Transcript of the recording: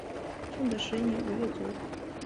正德十一年五月卒。